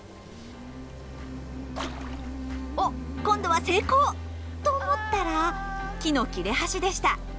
おっ今度は成功と思ったら木の切れ端でした。